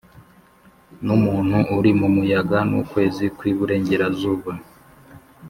numuntu uri mumuyaga nukwezi kwi burengerazuba